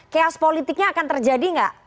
chaos politiknya akan terjadi nggak